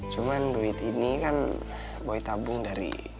cuman duit ini kan boy tabung dari